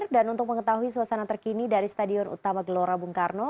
dan untuk mengetahui suasana terkini dari stadion utama gelora bung karno